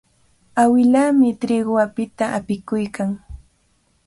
Awilaami triqu apita apikuykan.